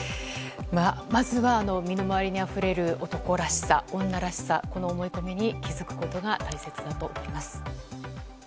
まずは身の回りにあふれる男らしさ女らしさ、この思い込みに気づくことが大切だと思います。